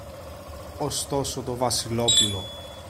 Ωστόσο το Βασιλόπουλο